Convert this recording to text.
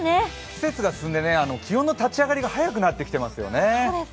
季節が進んで気温の立ち上がりが早くなってきてますよね。